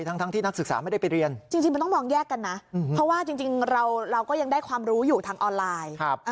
ทั้งที่นักศึกษาไม่ได้ไปเรียนจริงมันต้องมองแยกกันนะเพราะว่าจริงเราก็ยังได้ความรู้อยู่ทางออนไลน์